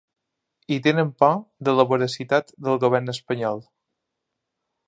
I tenen por de la voracitat del govern espanyol.